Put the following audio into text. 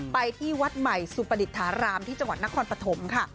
ไปที่วัดใหม่สุปดิษฐารามที่จังหวัดนครปฐมค่ะ